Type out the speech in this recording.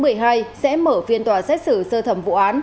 ngày một mươi tháng một mươi hai sẽ mở phiên tòa xét xử sơ thẩm vụ án